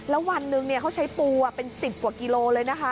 แล้ววันหนึ่งเขาใช้ปูเป็น๑๐กว่ากิโลเลยนะคะ